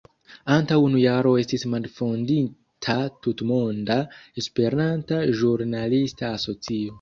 Antaŭ unu jaro estis malfondita Tutmonda Esperantista Ĵurnalista Asocio.